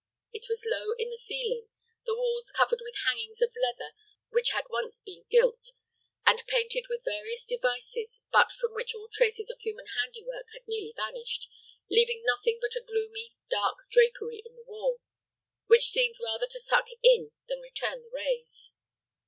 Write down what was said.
It was low in the ceiling, the walls covered with hangings of leather which had once been gilt, and painted with various devices but from which all traces of human handiwork had nearly vanished, leaving nothing but a gloomy, dark drapery on the wall, which seemed rather to suck in than return the rays.